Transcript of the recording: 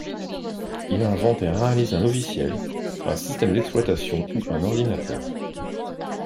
Il invente et réalise un logiciel, un système d'exploitation ou un ordinateur.